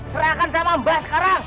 serahkan sama mbak sekarang